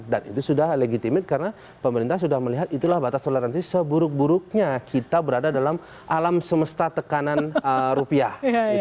dan itu sudah legitimit karena pemerintah sudah melihat itulah batas toleransi seburuk buruknya kita berada dalam alam semesta tekanan rupiah